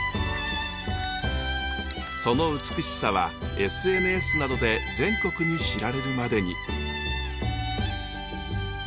その美しさはＳＮＳなどで全国に知られるまでに。